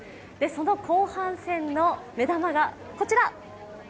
その後半戦の目玉がこちら。